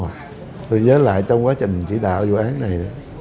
tôi nhớ lại trong quá trình chỉ đạo vụ án này